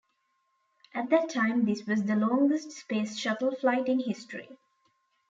At that time this was the longest Space Shuttle flight in history.